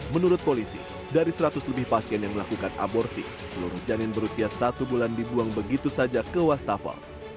menurut polisi dari seratus lebih pasien yang melakukan aborsi seluruh janin berusia satu bulan dibuang begitu saja ke wastafel